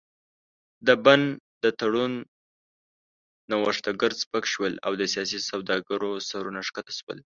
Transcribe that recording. د بن د تړون نوښتګر سپک شول او د سیاسي سوداګرو سرونه ښکته شول.